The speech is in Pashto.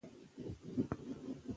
رضا پهلوي د ملي پخلاینې سمبول ګڼل کېږي.